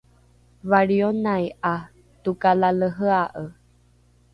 valrionai ’a tokalalehea’e